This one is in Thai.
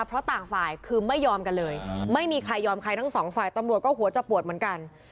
เพราะต่างฝ่ายคือไม่ยอมกันเลยไม่มีใครยอมใครทั้งสองฝ่ายตำรวจก็หัวจะปวดเหมือนกัน